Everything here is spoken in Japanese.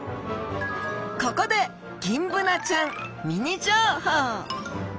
ここでギンブナちゃんミニ情報！